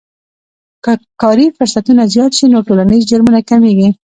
که کاري فرصتونه زیات شي نو ټولنیز جرمونه کمیږي.